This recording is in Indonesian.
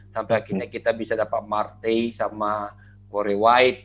sampai akhirnya kita bisa dapat martei sama core white